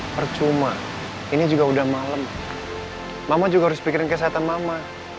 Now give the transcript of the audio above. percuma ini juga udah malam mama juga harus pikirin kesehatan mama